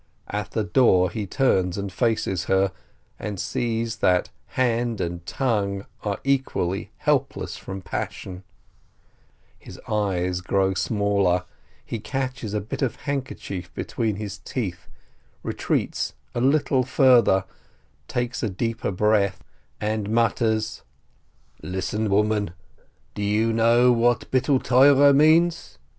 At the door he turns and faces her, and sees that hand and tongue are equally helpless from passion; his eyes grow smaller; he catches a bit of handkerchief between his teeth, retreats a little further, takes a deeper breath, and mutters : "Listen, woman, do you know what Bittul Torah means?